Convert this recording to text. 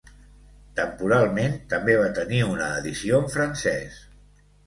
Temporalment també va tenir una edició en francès.